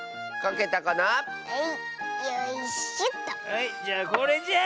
はいじゃあこれじゃ。